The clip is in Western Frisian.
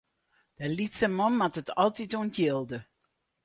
De lytse man moat it altyd ûntjilde.